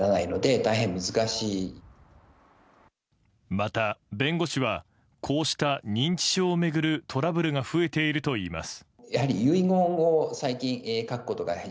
また、弁護士はこうした認知症を巡るトラブルが増えているといいます。